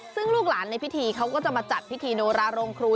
ซึ่งลูกหลานในพิธีเขาก็จะมาจัดพิธีโนราโรงครู